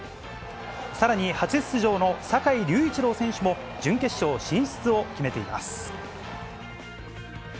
さらに初出場の坂井隆一郎選手も準決勝進出を決めています。